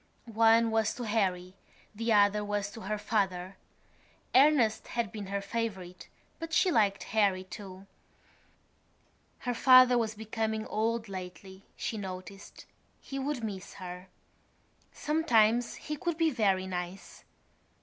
One was to Harry; the other was to her father. Ernest had been her favourite but she liked Harry too. Her father was becoming old lately, she noticed; he would miss her. Sometimes he could be very nice.